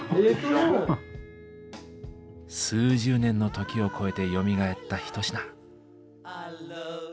数十年の時を超えてよみがえった一品。